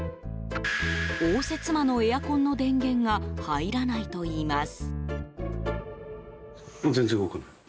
応接間のエアコンの電源が入らないといいます。